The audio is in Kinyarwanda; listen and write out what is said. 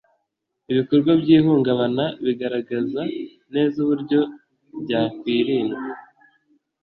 Ibikorwa by ihungabana bigaragaza neza uburyo byakwirindwa